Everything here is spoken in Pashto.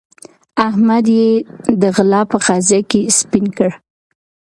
احمد يې د غلا په قضيه کې سپين کړ.